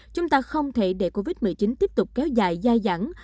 chúng ta không thể để covid một mươi chín tiếp tục kéo dài dai dẳng